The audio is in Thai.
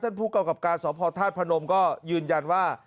ท่านผู้เก่ากับการสอบพอร์ทธาตุพนมก็ยืนยันว่า